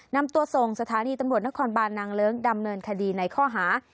นำตัวส่งสถานีตำรวจนครบานนางเลิ้งดำเนินคดีในข้อหา